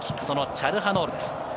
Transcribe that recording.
チャルハノールです。